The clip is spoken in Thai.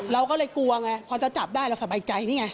เราก็เลยกลัวไงพอจะจับได้เราสบายใจนี่ไง